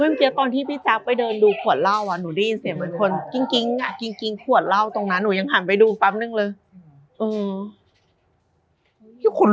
เมื่อกี้ก็พี่แซกเดินไปหนูได้ได้เสียงกิ้งตรงนี้ด้วยนะเหมือนคน